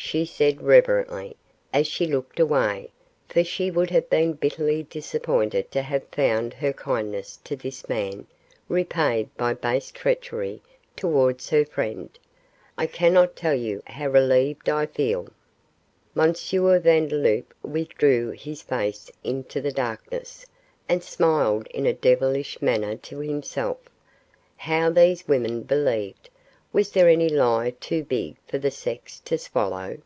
she said, reverently, as she looked away, for she would have been bitterly disappointed to have found her kindness to this man repaid by base treachery towards her friend; 'I cannot tell you how relieved I feel.' M. Vandeloup withdrew his face into the darkness, and smiled in a devilish manner to himself. How these women believed was there any lie too big for the sex to swallow?